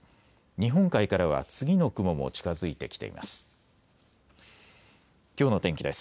日本海からは次の雲も近づいてきています。